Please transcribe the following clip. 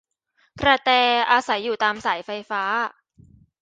กระแต อาศัยอยู่ตามสายไฟฟ้า